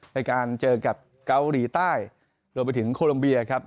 ในการเจอกับเกาหลีใต้รวมไปถึงโคลัมเบียครับ